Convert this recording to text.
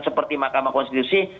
seperti mahkamah konstitusi